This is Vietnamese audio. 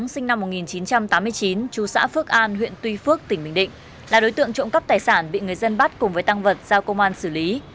sinh năm một nghìn chín trăm tám mươi chín chú xã phước an huyện tuy phước tỉnh bình định là đối tượng trộm cắp tài sản bị người dân bắt cùng với tăng vật giao công an xử lý